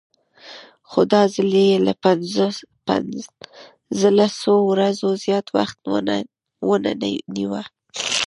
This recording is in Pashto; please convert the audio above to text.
خو دا ځل یې له پنځلسو ورځو زیات وخت ونه نیوه.